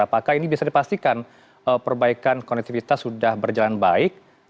apakah ini bisa dipastikan perbaikan konektivitas sudah berjalan baik